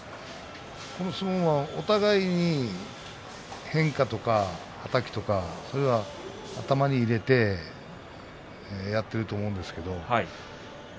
この相撲は、お互いに変化とかはたきとかそういうのを頭に入れてやっていると思うんですけど。